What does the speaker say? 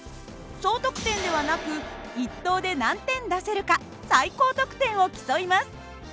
総得点ではなく１投で何点出せるか最高得点を競います。